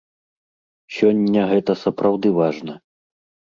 Сёння гэта сапраўды важна.